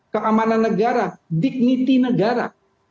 keamanan negara dignity negara